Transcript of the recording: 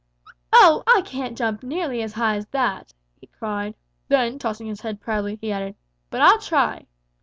"'Oh, I can't jump nearly as high as that!' he cried. Then tossing his head proudly, he added, 'But I'll try.'